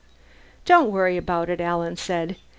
"Don't worry about it," Alan said.